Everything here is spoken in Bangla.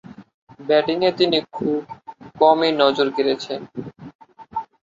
ব্যাটিংয়ে তিনি খুব কমই নজর কেড়েছেন।